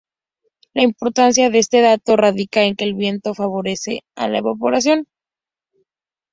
La importancia de este dato radica en que el viento favorece la evaporación.